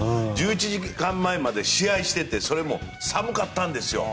１１時間前まで試合しててそれも寒かったんですよ。